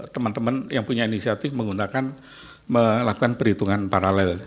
teman teman yang punya inisiatif menggunakan melakukan perhitungan paralel